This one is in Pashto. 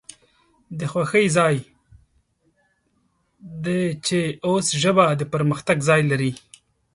د خوښۍ ځای د چې اوس ژبه د پرمختګ ځای لري